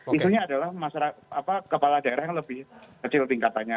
isunya adalah kepala daerah yang lebih kecil tingkatannya